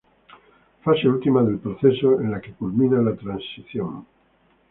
Fase última del proceso en la que culmina la transición.